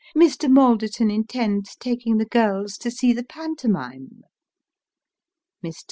" Mr. Malderton intends taking the girls to see the pantomime." Mr.